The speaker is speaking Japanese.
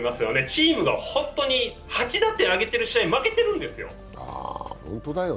チームが本当に、８打点挙げている試合、負けているんですよ。